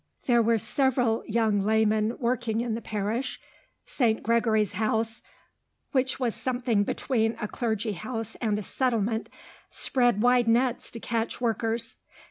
There were several young laymen working in the parish. St. Gregory's House, which was something between a clergy house and a settlement, spread wide nets to catch workers.